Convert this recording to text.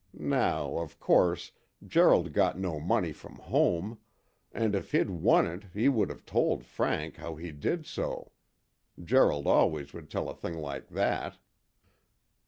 Now, of course, Gerald got no money from home, and if he'd won it he would have told Frank how he did so. Gerald always would tell a thing like that."